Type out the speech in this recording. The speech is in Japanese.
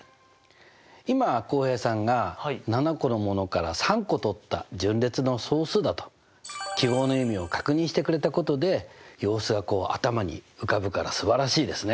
今浩平さんが７個のものから３個とった順列の総数だと記号の意味を確認してくれたことで様子が頭に浮かぶからすばらしいですね。